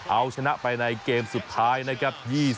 เอาชนะไปในเกมสุดท้ายนะครับ